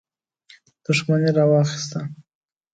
دښمني راواخیسته.